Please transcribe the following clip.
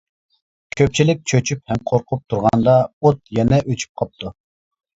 كۆپچىلىك چۆچۈپ ھەم قورقۇپ تۇرغاندا، ئوت يەنە ئۆچۈپ قاپتۇ.